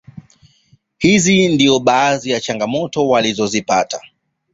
Hizo ndizo baadhi ya changamoto walizozipata